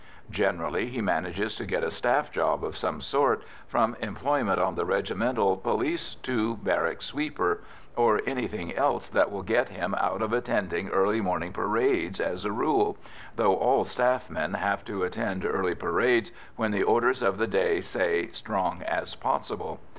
Generally he manages to get a staff job of some sort, from employment on the regimental police to barrack sweeper, or anything else that will get him out of attending early morning parades as a rule though all staff men have to attend early parades when the orders of the day say "strong as possible."